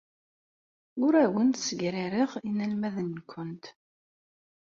Ur awent-ssegrareɣ inelmaden-nwent.